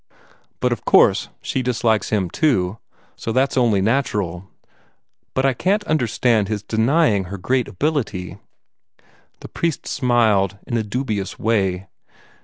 But of course she dislikes him, too, so that's only natural. But I can't understand his denying her great ability." The priest smiled in a dubious way.